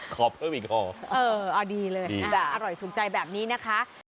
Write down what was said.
ห่อเพิ่มอีกภาร์อ๋อดีเลยอร่อยสุขใจแบบนี้นะคะ